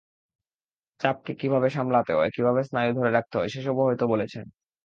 চাপকে কীভাবে সামলাতে হয়, কীভাবে স্নায়ু ধরে রাখতে হয়, সেসবও হয়তো বলেছেন।